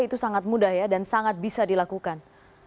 itu sangat mudah ya dan sangat bisa dilakukan